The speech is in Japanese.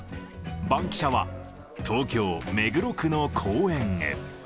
バンキシャは東京・目黒区の公園へ。